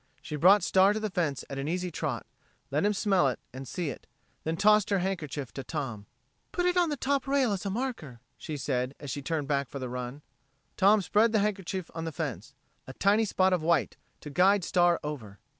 She brought Star to the fence at an easy trot, let him smell it and see it; then she tossed her handkerchief to Tom. "Put it on the top rail as a marker," she said, as she turned back for the run. Tom spread the handkerchief on the fence a tiny spot of white to guide Star over.